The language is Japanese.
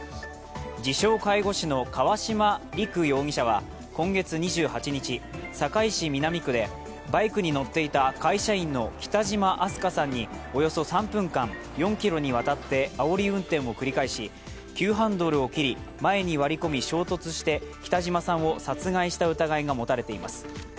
自称・介護士の川島陸容疑者は今月２８日堺市南区でバイクに乗っていた会社員の北島明日翔さんにおよそ３分間４ｋｍにわたってあおり運転を繰り返し急ハンドルを切り、前に割り込み衝突して北島さんを殺害した疑いが持たれています。